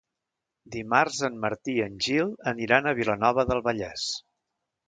Dimarts en Martí i en Gil aniran a Vilanova del Vallès.